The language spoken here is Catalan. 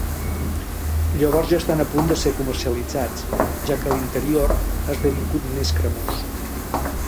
Llavors ja estan a punt de ser comercialitzats, ja que l'interior ha esdevingut més cremós.